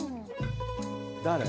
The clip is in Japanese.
誰？